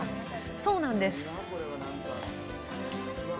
そうなんです。